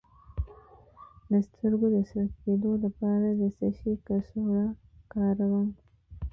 د سترګو د سره کیدو لپاره د څه شي کڅوړه وکاروم؟